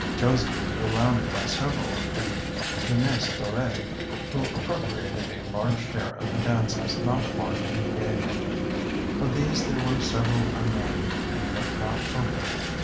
Josie was surrounded by several of the jeunesse dorée, who appropriated a large share of the dances not marked engaged. Of these there were several unnamed, and yet not open.